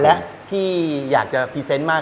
และพี่อยากจะพรีเซนต์มาก